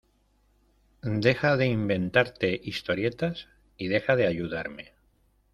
deja de inventarte historietas y deja de ayudarme.